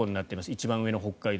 一番上の北海道